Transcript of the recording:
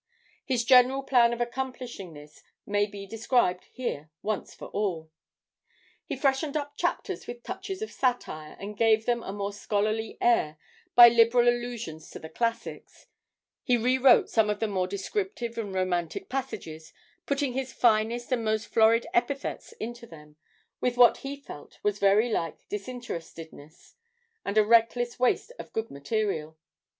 His general plan of accomplishing this may be described here once for all. He freshened up chapters with touches of satire, and gave them a more scholarly air by liberal allusions to the classics; he rewrote some of the more descriptive and romantic passages, putting his finest and most florid epithets into them with what he felt was very like disinterestedness, and a reckless waste of good material.